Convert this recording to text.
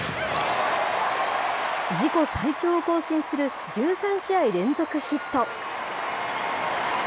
自己最長を更新する１３試合連続ヒット。